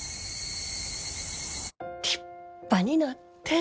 立派になって。